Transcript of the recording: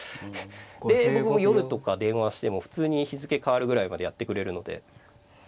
で僕も夜とか電話しても普通に日付変わるぐらいまでやってくれるので。